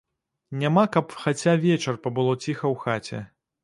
Няма, каб хаця вечар пабыло ціха ў хаце.